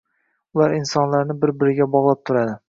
Ular insonlarni bir-biriga bog’lab turadi